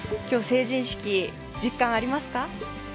今日成人式、実感ありますか？